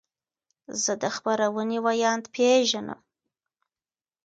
زه د خپرونې ویاند پیژنم.